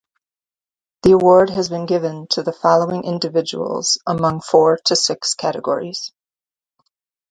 The award has been given to the following individuals among four to six categories.